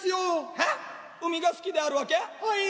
えっ、海が好きであるわけ？